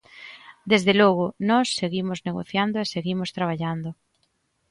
Desde logo, nós seguimos negociando e seguimos traballando.